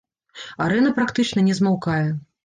Арэна практычна не змаўкае.